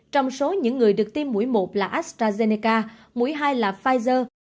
trong số những người được tiêm mũi một là astrazeneca mũi hai là pfizer